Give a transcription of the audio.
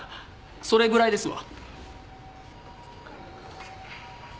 それぐらいですわ。